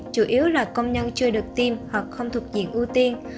chủ yếu là công nhân chưa được tiêm hoặc không thuộc diện ưu tiên